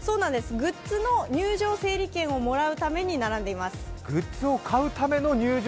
そうなんです、グッズの入場整理券をもらうために並んでいます。